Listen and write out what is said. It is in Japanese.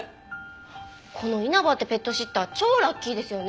この稲葉ってペットシッター超ラッキーですよね。